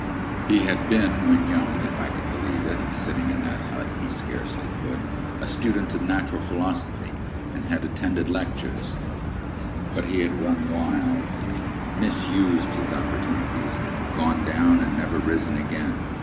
He had been, when young (if I could believe it, sitting in that hut,—he scarcely could), a student of natural philosophy, and had attended lectures; but he had run wild, misused his opportunities, gone down, and never risen again.